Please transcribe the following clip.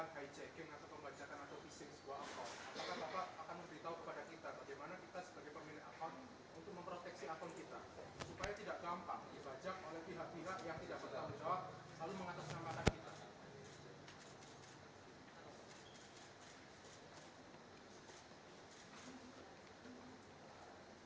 maka bapak akan memberitahu kepada kita bagaimana kita sebagai pemilik akun untuk memproteksi akun kita